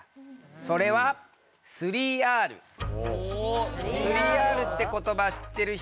それは３Ｒって言葉知ってる人？